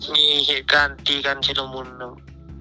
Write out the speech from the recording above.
มีเหตุการณ์ดีการเฉินลมครับ